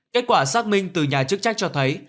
kết quả xác minh từ nhà chức trách cho thấy